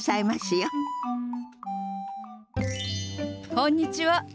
こんにちは。